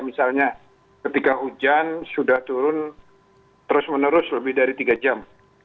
misalnya ketika hujan sudah turun terus menerus lebih dari tiga jam